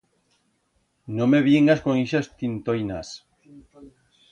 No me viengas con ixas tintoinas.